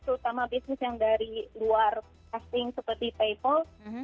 terutama bisnis yang dari luar testing seperti paypal